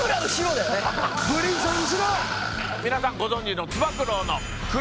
皆さんご存じのつば九郎のくるりんぱ。